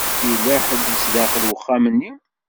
Yella ḥedd sdaxel wexxam-nni.